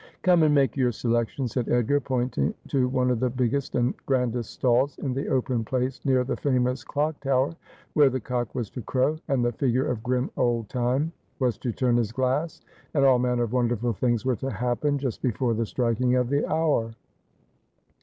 ' Come and make your selection,' said Edgar, pointing to one of the biggest and grandest stalls in the open place near the famous clock tower, where the cock was to crow, and the figure of grim old Time was to turn his glass, and all manner of wonderful things were to happen just before the striking of the hour.